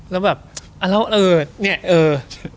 แล้วแบบเอาแล้วเออเนี่ยเออ